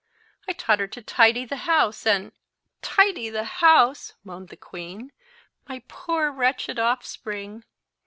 I taught her to tidy the house and"— "Tidy the house!" moaned the queen. "My poor wretched offspring!"